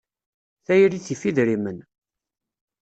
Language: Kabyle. Tayri tif idrimen.